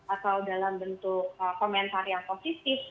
atau dalam bentuk komentar yang positif